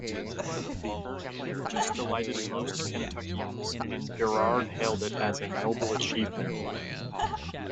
The purchase delighted most Kentuckians, and Garrard hailed it as a "noble achievement".